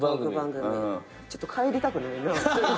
ちょっと帰りたくないなぁ。